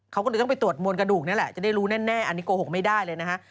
เขาก็เลยต้องไปตรวจมวลกระดูกนี่แหละจะได้รู้แน่อันนี้โกหกไม่ได้เลยนะฮะ